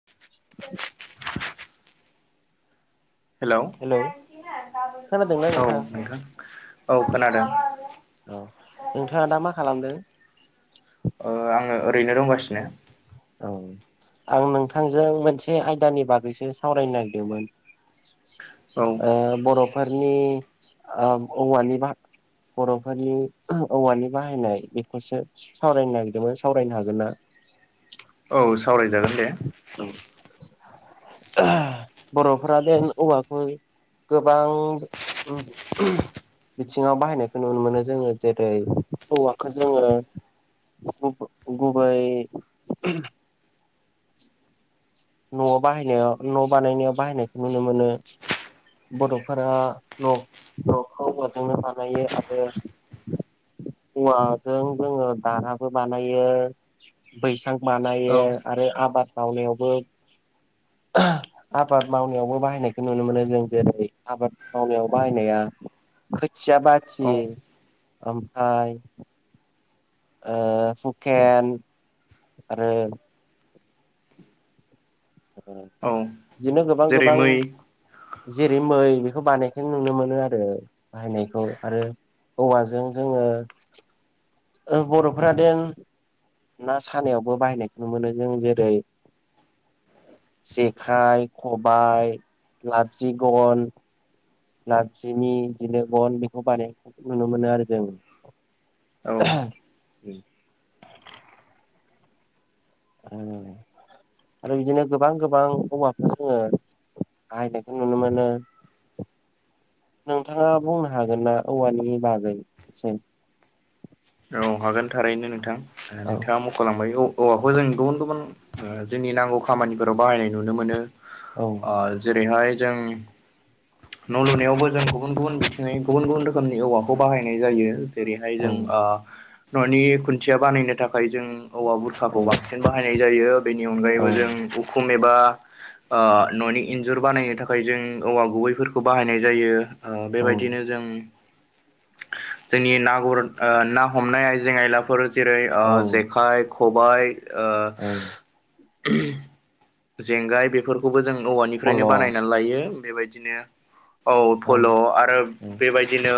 [inaudible] [inaudible] हेल' औ हेलौ नोंथां औ खोनादों ओ औ नोंथाङा दा मा खालामदों? ओ आङो ओरैनो दंगासिनो। औ आं नोंथांजों मोनसे आयदानि बागैसो सावरायनो नागिरदोंमोन। औ ओ बर'फोरनि ओ औवानि बा बर'फोरनि औवानि बाहायनाय बेखौसो सावरायनो नागिरदोंमोन। सावरायनो हागोन ना? औ सावरायजागोन दे। बर'फोरा बेे औवाखौ गोबां बिथिङाव बाहायनायखौ नुनो मोनो जोङो जेरै हौवाखौ जोङो गु गुबै न'आव बाहायनायाव न' बानायनायाव बाहायनायखौ नुनो मोनो। बड'फोरा न' न'खौ औवाजोंनो बानायो आरो औवाजों जोङो धाराबो बानायो बैसां बानायो औ आरो आबाद मावनायावबो [inaudible] आबाद मावनायावबो बाहायनायखौ नुनो मोनो जों जेरै आबाद मावनायाव बाहायनाया खोथिया बाथि औ ओमफ्राय ओ हुकेन आरो ओ औ बिदिनो गोबां जेरै गोबां मै औ जेरै मै बेखौ बानायखौ नुनो मोनो आरो बाहायनायखौ आरो औवाजों जोङो ओ बर'फ्रादेन ना सानायावबो बाहायनायखौनो मोनो जों जेरै जेखाइ, खबायाइ, लाबजे गन। लाब जेनि बिदिनो गन बेखौ बानायनायखौ नुनो मोनो आरो जों। औ आरो बिदिनो गोबां गोबां औवाखौ जोङो बाहायनायखौ नुनो मोनो। नोंथाङा बुंनो हागोनना औवानि बागै एसे? औ हागोन थारैनो नोंथां औ नोंथाङा म ख'लांमबाय औ औवाखौ जों गुबुन गुबुन जोंनि नांगौ खामानिफोराव बाहायनाय नुनो मोनो। औ अ जेरैहाय जों न' लुनायावबो जों गुबुन गुबुन बिथिङै गुबुन गुबुन रोखोमनि औवाखौ बाहायनाय जायो। जेरैहाय औ जों ओ न'नि खुन्थिया बानायनो थाखाय जों औवा औ बुरखाखौ बांसिन बाहायनाय जायो बेनि अनगायैबो जों औ उखुम एबा ओ न'नि इन्जुर बानायनो थाखाय जों औवा गुबैफोरखौ बाहायनाय जायो ओ औ बेबायदिनो जों जोंनि ना गुर ओ ना हमनाय आइजें आयलाफोर जेरै ओ औ जेखाइ खबायाइ ओ औ जेंगाय बेफोरखौबो जों फल' औवानिफ्रायनो औ बानायनानै लायो बेबायदिनो औ फल' आरो औ बेबायदिनो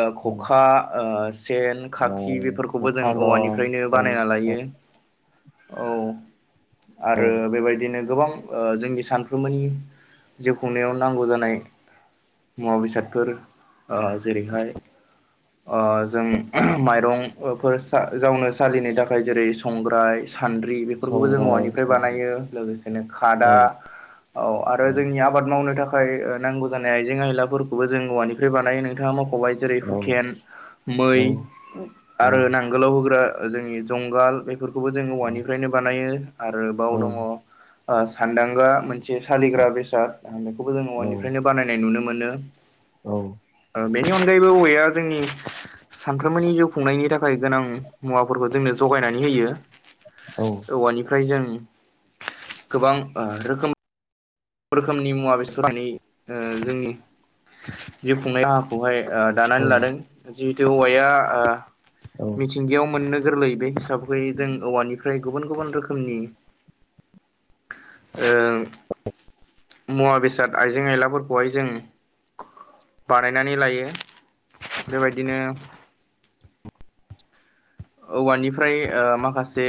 ओ औ खखा ओ सेन खाखि ओ बेफोरखौबो जों खखा दं औवानिफ्रायनो सेन बानायना लायो औ आरो दं बेबायदिनो गोबां ओ जोंनि सानफ्रोमनि जिउ खुंनायाव नांगौ जानाय मुवा बेसादफोर ओ जेरैहाय ओ जों माइरंफोर जावनो सालिनि थाखाय जेरै संग्राय सान्द्रि बेफोरखौबो जों संग्राय औवानिफ्राय औ बानायो लोगोसेनो खादा औ औ आरो जोंनिया आबाद मावनो थाखाय ओ नांगौ जानाय आइजें आइलाफोरखौबो जों औवानिफ्राय बानायो नोंथाङा मख'बाय जेरै औ हुकेन मै औ आरो नांगोलाव होग्रा जोंनि जुंगाल बेफोरखौबो जोङो औ औवानिफ्रायनो बानायो। आरो औ बाव दङ ओ सानदांगा मोन जे सालिग्रा औ बेसाद बेखौबो जों न'निफ्रायनो बानायनाय नुनो मोनो। औ ओ बेनि अनगायैबो औवाया जोंनि सानफ्रोमबोनि जिउ खुंनायनि थाखाय गोनां मुवाफोरखौ जोंनो जगायनानै होयो औ औवानिफ्राय जों गोबां ओ रोखोम रोखोमनि मुवा बेसथर होननानै ओ जोंनि जिउ खुंनाय राहाखौहाय ओ दानानै लादों जिहेथु हौवाया ओ औ मि सिंगियाव मोननो गोरलै बे हिसाबखै जों औवानिफ्राय गुबुन गुबुन रोखोमनि ओ मुवा बेसाद आइजें आइलाफोरखौहाय जों बानायनानै लायो बेबायदिनो औवानिफ्राय ओ माखासे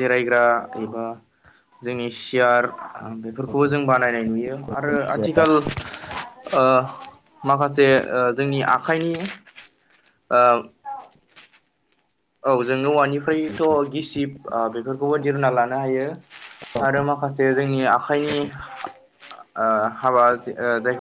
जिरायग्रा एबा जोंनि सियार बेफोरखौबो जों बानायनाय नुयो आरो औ आथिखाल ओ माखासे ओ जोंनि आखाइनि ओ औ जोङो औवानिफ्रायथ' गिसिब ओ बेफोरखौबो दिरुना लानो हायो। आरो माखासे जोंनि आखाइनि ओ हाबा जाय